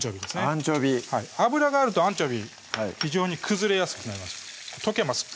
アンチョビー油があるとアンチョビー非常に崩れやすくなります溶けます